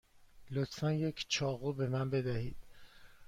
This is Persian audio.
لطفا یک چاقو به من بدهید.